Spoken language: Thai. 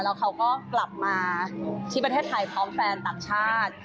แล้วเขาก็กลับมาที่ประเทศไทยพร้อมแฟนต่างชาติ